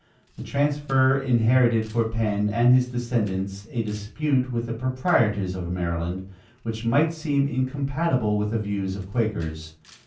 The transfer inherited for Penn and his descendants a dispute with the proprietors of Maryland, which might seem incompatible with the views of Quakers.